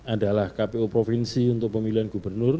adalah kpu provinsi untuk pemilihan gubernur